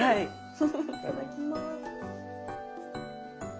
いただきます。